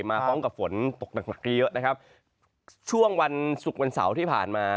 มาพร้อมกับฝนตกหนักหนักเยอะเยอะนะครับช่วงวันศุกร์วันเสาร์ที่ผ่านมา